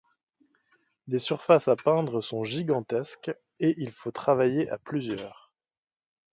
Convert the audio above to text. Les surfaces à peindre sont gigantesques et il faut travailler à plusieurs.